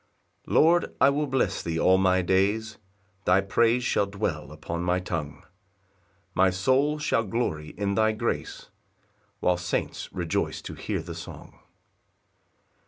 1 Lord, I will bless thee all my days, Thy praise shall dwell upon my tongue; My soul shall glory in thy grace, While saints rejoice to hear the song.